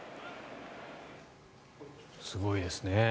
すごいですね。